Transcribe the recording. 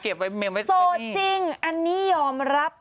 โอเคอันนั้นโซ่จริงอันนี้ยอมรับ